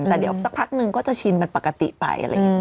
แต่เดี๋ยวสักพักหนึ่งก็จะชินปกติไป